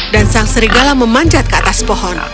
dan sang serigala memanjat ke atas pohon